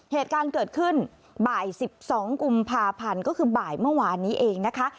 เหตุการณ์เกิดขึ้นบ่าย๑๒กุมภาพันธ์ก็คือบ่ายเมื่อวานนี้เองนะคะ